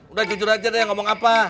udah jujur aja deh ngomong apa